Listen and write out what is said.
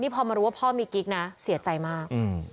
พอมารู้ว่าพ่อมีกิ๊กนะเสียใจมาก